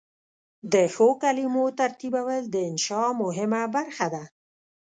د ښو کلمو ترتیبول د انشأ مهمه برخه ده.